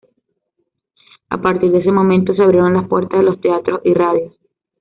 A partir de ese momento se abrieron las puertas de los teatros y radios.